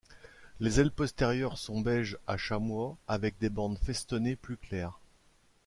Les ailes postérieures sont beige à chamois avec des bandes festonnées plus claires.